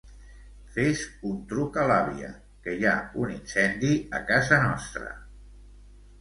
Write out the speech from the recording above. Fes un truc a l'àvia, que hi ha un incendi a casa nostra.